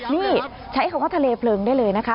นี่ใช้คำว่าทะเลเพลิงได้เลยนะคะ